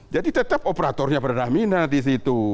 jadi tetap operatornya pertamina di situ